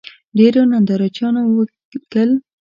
ډېرو نندارچیانو ولیکل